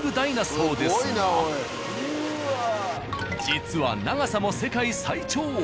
実は長さも世界最長。